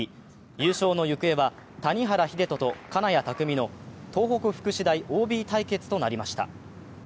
優勝の行方は谷原秀人と金谷拓実の東北福祉大ＯＢ対決となりました。